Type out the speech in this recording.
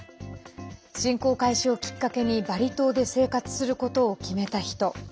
侵攻開始をきっかけにバリ島で生活することを決めた人。